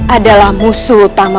adalah musuh utama